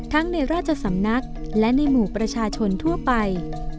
ในราชสำนักและในหมู่ประชาชนทั่วไป